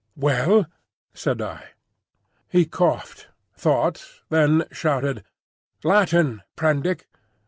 "Well?" said I. He coughed, thought, then shouted: "Latin, Prendick!